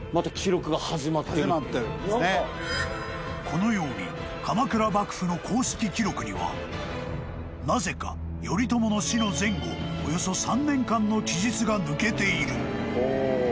［このように鎌倉幕府の公式記録にはなぜか頼朝の死の前後およそ３年間の記述が抜けている］